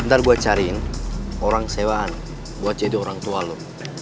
ntar buat cariin orang sewaan buat jadi orang tua lo